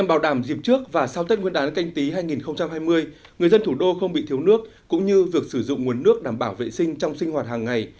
năm hai nghìn hai mươi người dân thủ đô không bị thiếu nước cũng như việc sử dụng nguồn nước đảm bảo vệ sinh trong sinh hoạt hàng ngày